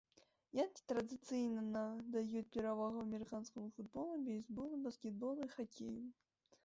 Янкі традыцыйна надаюць перавагу амерыканскаму футболу, бейсболу, баскетболу і хакею.